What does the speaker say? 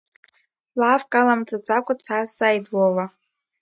Лафк аламҵаӡакәа дсазҵааит вова.